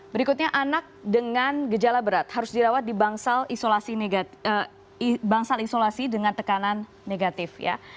berikutnya anak dengan gejala berat harus dirawat di bangsal isolasi dengan tekanan negatif ya